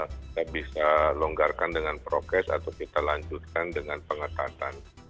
kita bisa longgarkan dengan prokes atau kita lanjutkan dengan pengetatan